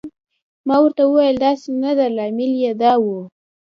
ما ورته وویل: داسې نه ده، لامل یې دا و.